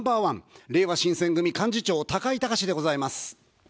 れいわ新選組幹事長、高井たかしでございます。